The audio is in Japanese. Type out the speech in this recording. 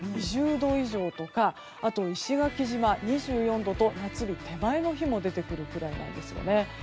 ２０度以上とか石垣島は２４度と夏日手前の日も出てくるくらいなんですね。